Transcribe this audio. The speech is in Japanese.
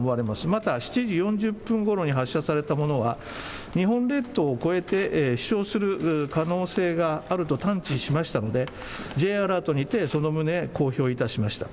また７時４０分ごろに発射されたものは、日本列島を越えて飛しょうする可能性があると探知しましたので、Ｊアラートにてその旨、公表いたしました。